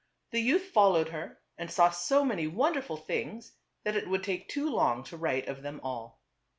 The youth fol lowed her and saw so many wonderful things that it would take too long to write of them all.